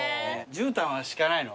じゅうたんは敷かないの？